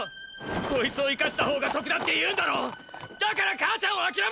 こいつを生かした方が得だって言うんだろ⁉だから母ちゃんを諦めろって！！